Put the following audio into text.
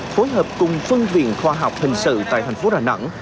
phối hợp cùng phân viện khoa học hình sự tại thành phố đà nẵng